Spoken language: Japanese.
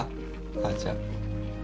母ちゃん。